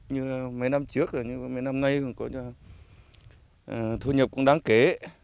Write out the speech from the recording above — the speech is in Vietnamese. như mấy năm trước rồi mấy năm nay thu nhập cũng đáng kế